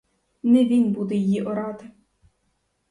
Не він буде її орати.